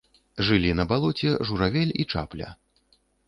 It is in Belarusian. Жылі на балоце журавель і чапля.